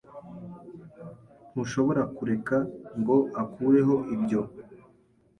Ntushobora kureka ngo akureho ibyo